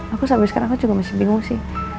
aku sampai sekarang masih bingung sih